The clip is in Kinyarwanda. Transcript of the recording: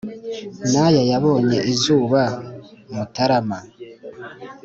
Naya yabonye izuba Mutarama